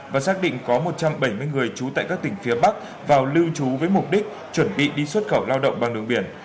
và xác định có một trăm bảy mươi người trú tại các tỉnh phía bắc vào lưu trú với mục đích chuẩn bị đi xuất khẩu lao động bằng đường biển